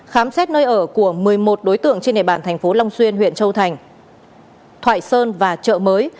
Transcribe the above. khám xét nơi ở của một mươi một đối tượng trên địa bàn thành phố long xuyên huyện châu thành thoại sơn và chợ mới